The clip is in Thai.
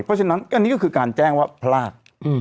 เพราะฉะนั้นอันนี้ก็คือการแจ้งว่าพลาด